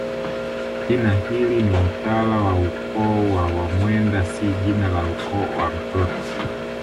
Jina hili ni mtala wa ukoo wa Wamwenda si jina la ukoo wa mtoto